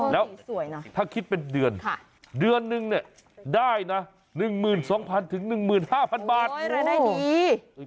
แล้วถ้าคิดเป็นเดือนเดือนนึงเนี่ยได้นะ๑๒๐๐๐๑๕๐๐บาทรายได้ดี